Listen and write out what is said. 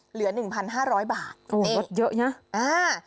เหลือ๑๕๐๐บาทโอ้ลดเยอะนะอ่า